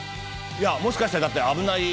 いやもしかしたらだって危ない。